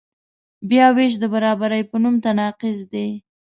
بیاوېش د برابرۍ په نوم تناقض دی.